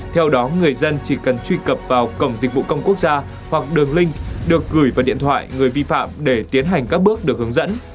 theo đó người dân chỉ cần truy cập vào cổng dịch vụ công quốc gia hoặc đường link được gửi vào điện thoại người vi phạm để tiến hành các bước được hướng dẫn